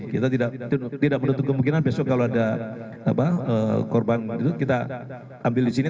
kita tidak menutup kemungkinan besok kalau ada korban itu kita ambil di sini